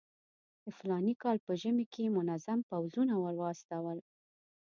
د فلاني کال په ژمي کې یې منظم پوځونه ورواستول.